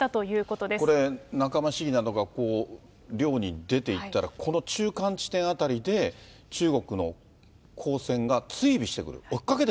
これ、仲間市議などが漁に出ていったら、この中間地点辺りで、中国の公船が追尾してくる。